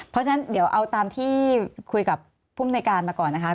เพราะฉะนั้นเดี๋ยวเอาตามที่คุยกับผู้มนุยการมาก่อนนะคะ